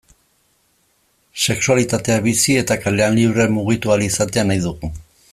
Sexualitatea bizi eta kalean libre mugitu ahal izatea nahi dugu.